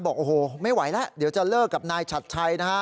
บอกโอ้โหไม่ไหวแล้วเดี๋ยวจะเลิกกับนายฉัดชัยนะฮะ